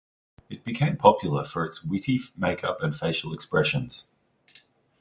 It became popular for its witty makeup and facial expressions.